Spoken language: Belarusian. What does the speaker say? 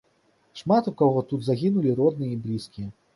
Шмат у каго тут загінулі родныя і блізкія.